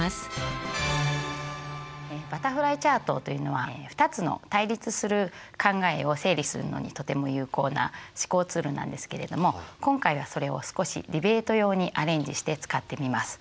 バタフライチャートというのは２つの対立する考えを整理するのにとても有効な思考ツールなんですけれども今回はそれを少しディベート用にアレンジして使ってみます。